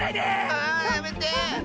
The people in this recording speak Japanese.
あやめて！